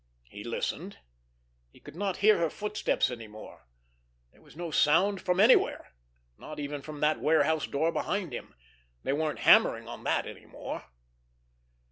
He listened. He could not hear her footsteps any more. There was no sound from anywhere, not even from that warehouse door behind him. They weren't hammering on that any more.